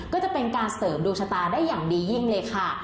ก็จะเป็นการเสริมดวงชะตาได้อย่างดียิ่งเลยค่ะ